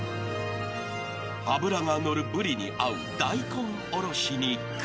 ［脂が乗るブリに合う大根おろしに工夫が］